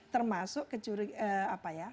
termasuk kecurigaan apa ya